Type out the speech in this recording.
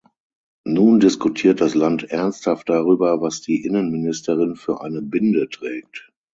Nun diskutiert das Land ernsthaft darüber, was die Innenministerin für eine Binde trägt.